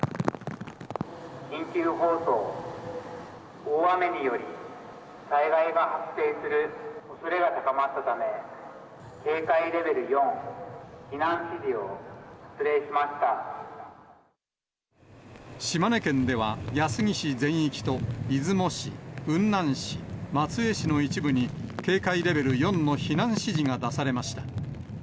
緊急放送、大雨により、災害が発生するおそれが高まったため、警戒レベル４、島根県では、安来市全域と出雲市、雲南市、松江市の一部に、警戒レベル４の避難指示が出されました。